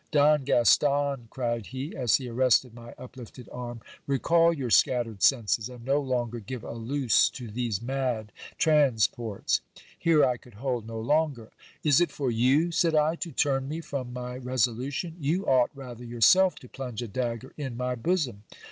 Don Gaston, cried he, as he arrested my uplifted arm, recall your scattered senses, and no longer give a loose to these mad transports. Here I could hold no longer. Is it for you, said I, to rum me from my re solution ? You ought rather yourself to plunge a dagger in my bosom.